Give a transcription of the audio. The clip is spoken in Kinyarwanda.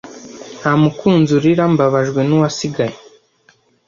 nta mukunzi urira mbabajwe nuwasigaye